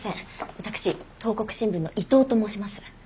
私東国新聞の伊藤と申します。